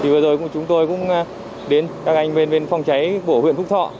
vừa rồi chúng tôi cũng đến các anh bên phòng cháy của huyện phúc thọ